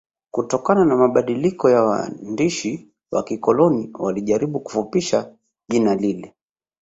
Kutokana na mabadiliko ya waandishi wa kikoloni walijaribu kufupisha jina lile